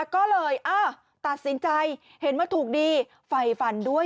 ก็เลยตัดสินใจเห็นว่าถูกดีไฟฟันด้วย